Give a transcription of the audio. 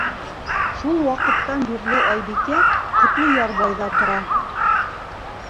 Шул ваҡыттан бирле Айбикә Ҡотлояр байҙа тора.